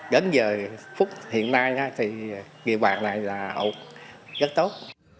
đến giờ phút hiện nay thì địa bàn này là ổn rất tốt